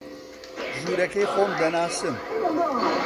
ژوورەکەی خۆم دەناسم